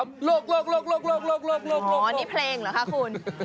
อันนี้เพลงเหรอคะคุณ